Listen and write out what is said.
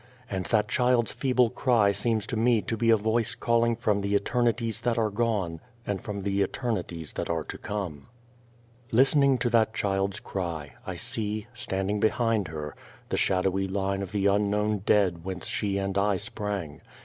And that child's feeble cry seems to me to be a voice calling from the eternities that are gone and from the eternities that are to come. 3 The Child Face Listening to that child's cry, I see, standing behind her, the shadowy line of the unknown { *dea J\ jwhp^e: she and I sprang.